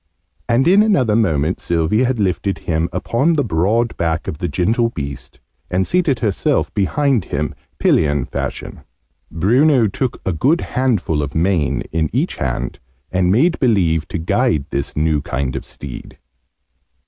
And in another moment Sylvie had lifted him upon the broad back of the gentle beast, and seated herself behind him, pillion fashion. Bruno took a good handful of mane in each hand, and made believe to guide this new kind of steed.